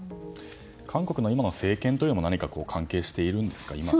韓国の今の政権も何か関係しているんですか。